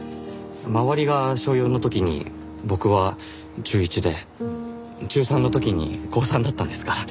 周りが小４の時に僕は中１で中３の時に高３だったんですから。